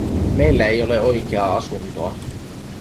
Meillä ei ole oikeaa asuntoa.